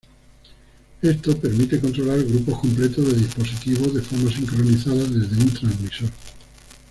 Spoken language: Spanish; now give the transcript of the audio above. Esto permite controlar grupos completos de dispositivos de forma sincronizada desde un transmisor.